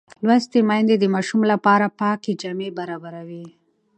لوستې میندې د ماشوم لپاره پاکې جامې برابروي.